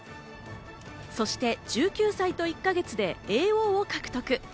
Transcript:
そして１９才と１か月で叡王を獲得。